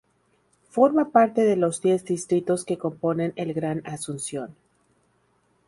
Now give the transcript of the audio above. Forma parte de los diez distritos que componen el Gran Asunción.